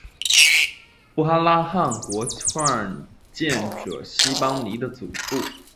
布哈拉汗国创建者昔班尼的祖父。